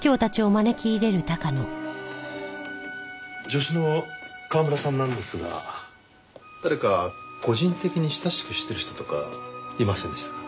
助手の川村さんなんですが誰か個人的に親しくしてる人とかいませんでしたか？